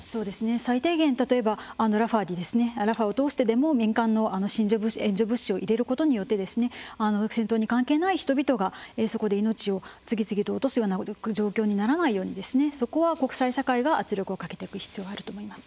最低限例えばラファを通してでも民間の支援物資援助物資を入れることによって戦闘に関係ない人々がそこで命を次々と落とすような状況にならないようにそこは国際社会が圧力をかけていく必要があると思います。